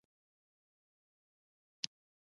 د افغانستان د شاته پاتې والي یو ستر عامل د برېښنا کمښت دی.